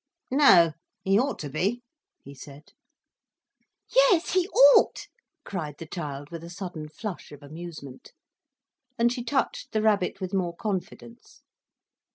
"No, he ought to be," he said. "Yes, he ought!" cried the child, with a sudden flush of amusement. And she touched the rabbit with more confidence.